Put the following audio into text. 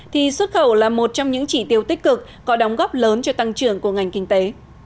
thì xuất khẩu là một trong những chỉ tiêu tích cực có đóng góp lớn cho tăng trưởng của ngành kinh tế